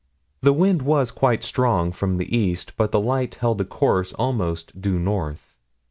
The wind was quite strong from the east, but the light held a course almost due north.